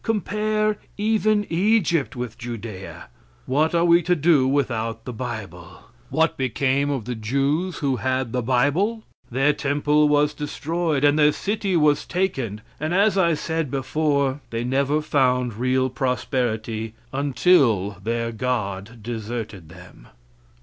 Compare even Egypt with Judea. What are we to do without the bible? What became of the Jews who had no bible; their temple was destroyed and their city was taken; and, as I said before, they never found real prosperity until their God deserted them.